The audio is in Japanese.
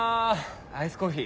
アイスコーヒー？